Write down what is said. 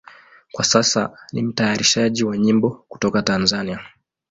Kwa sasa ni mtayarishaji wa nyimbo kutoka Tanzania.